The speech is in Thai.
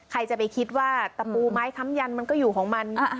ใครจะไปคิดว่าตะปูไม้ค้ำยันมันก็อยู่ของมัน